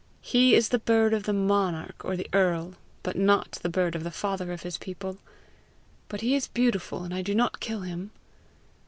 He is the bird of the monarch or the earl, not the bird of the father of his people. But he is beautiful, and I do not kill him."